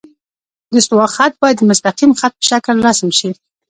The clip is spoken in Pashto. د استوا خط باید د مستقیم خط په شکل رسم شي